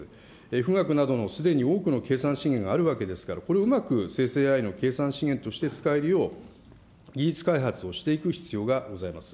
富岳などのすでに多くの計算資源があるわけですから、これをうまく生成ＡＩの計算資源として使えるよう、技術開発をしていく必要がございます。